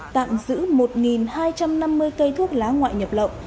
tạm giữ một hai trăm năm mươi cây thuốc lá ngoại nhập lậu